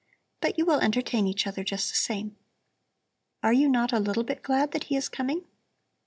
But you will entertain each other just the same. Are you not a little bit glad that he is coming?"